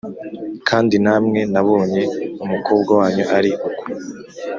kandi namwe nabonye umukobwa wanyu ari uko